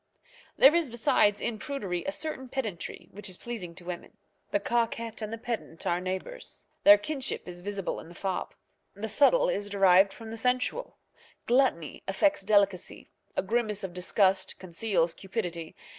There is besides, in prudery, a certain pedantry which is pleasing to women. The coquette and the pedant are neighbours. Their kinship is visible in the fop. The subtile is derived from the sensual. Gluttony affects delicacy, a grimace of disgust conceals cupidity.